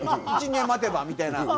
１年待てばみたいな。